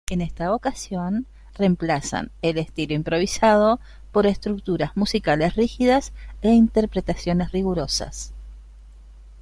En esta ocasión reemplazan el estilo improvisado por estructuras musicales rígidas e interpretaciones rigurosas.